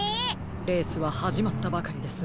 レースははじまったばかりです。